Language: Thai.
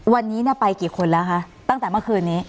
วันนี้ไปกี่คนแล้วคะตั้งแต่เมื่อคืนนี้